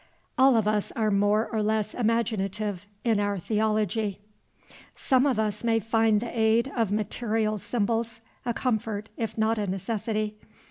All of us are more or less imaginative in our theology. Some of us may find the aid of material symbols a comfort, if not a necessity.